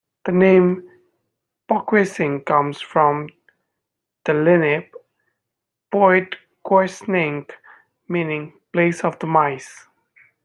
The name Poquessing comes from the Lenape "Poetquessnink," meaning "place of the mice.